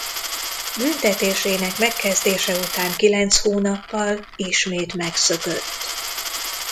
Büntetésének megkezdése után kilenc hónappal ismét megszökött.